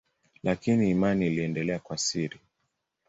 Lakini imani iliendelea kwa siri.